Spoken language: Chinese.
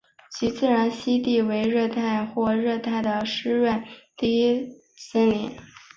其自然栖息地为亚热带或热带的湿润低地森林。